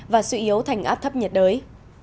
và sự yếu thành áp thấp nhiệt đới